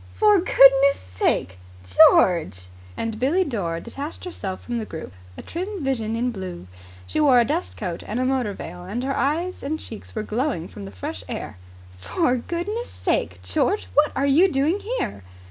"For goodness' sake, George." And Billie Dore detached herself from the group, a trim vision in blue. She wore a dust coat and a motor veil, and her eyes and cheeks were glowing from the fresh air. "For goodness' sake, George, what are you doing here?"